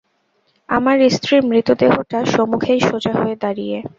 আমার স্ত্রীর মৃতদেহটা সমুখেই সোজা হয়ে দাঁড়িয়ে!